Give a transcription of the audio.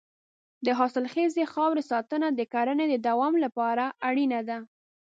د حاصلخیزې خاورې ساتنه د کرنې د دوام لپاره اړینه ده.